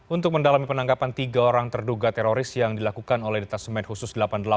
untuk mendalami penangkapan tiga orang terduga teroris yang dilakukan oleh detasemen khusus delapan puluh delapan